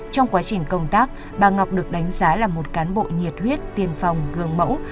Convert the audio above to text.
trong quá trình công tác bà ngọc được đánh giá là một cán bộ nhiệt huyết tiên phong gương mẫu